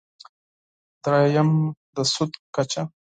درېیم: د سود کچه.